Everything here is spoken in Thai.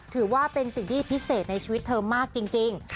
ถือว่าเป็นสิ่งที่พิเศษในชีวิตเธอมากจริง